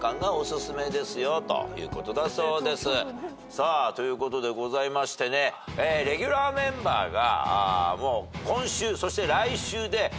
さあということでございましてレギュラーメンバーが。